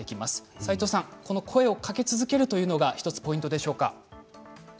斎藤さん、声をかけ続けるということが１つポイントでしょうか。